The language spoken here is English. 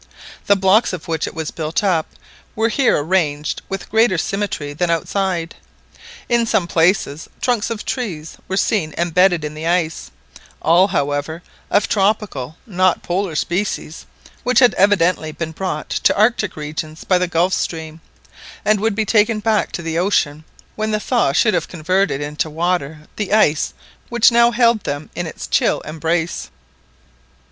The blocks of which it was built up were here arranged with greater symmetry than outside. In some places trunks of trees were seen embedded in the ice, all, however, of Tropical not Polar species, which had evidently been brought to Arctic regions by the Gulf Stream, and would be taken back to the ocean when the thaw should have converted into water the ice which now held them in its chill embrace.